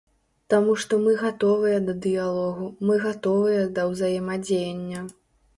Таму што мы гатовыя да дыялогу, мы гатовыя да ўзаемадзеяння.